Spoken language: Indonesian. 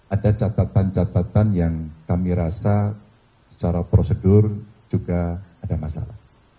ada catatan catatan yang kami rasa secara prosedur juga ada masalah